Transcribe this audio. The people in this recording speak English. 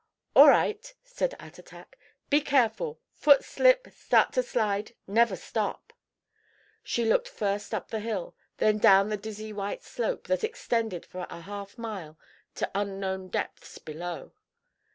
"All right," said Attatak. "Be careful. Foot slip, start to slide; never stop." She looked first up the hill, then down the dizzy white slope that extended for a half mile to unknown depths below.